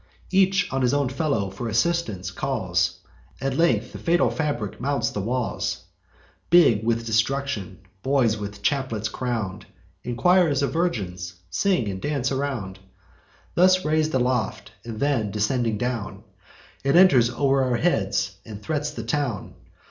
Each on his fellow for assistance calls; At length the fatal fabric mounts the walls, Big with destruction. Boys with chaplets crown'd, And choirs of virgins, sing and dance around. Thus rais'd aloft, and then descending down, It enters o'er our heads, and threats the town.